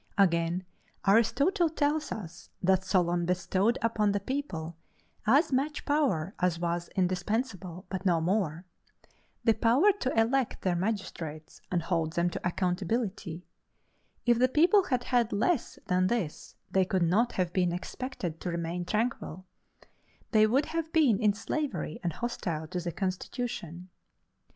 Again, Aristotle tells us that Solon bestowed upon the people as much power as was indispensable, but no more: the power to elect their magistrates and hold them to accountability: if the people had had less than this, they could not have been expected to remain tranquil they would have been in slavery and hostile to the constitution.